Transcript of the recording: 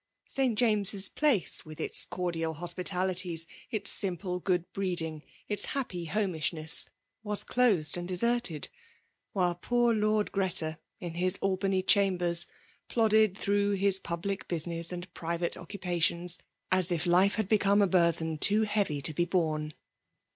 St. James's Placc^ with its cordial hospitalities — ^its simple good breeding — ^its happy bome ish&ess — waa closed and deserted; while poor Lord Greta, in his Albany Chambers, plodded through his public business and private occupations, as if life had become a burthen, too heayy to be bcHiie.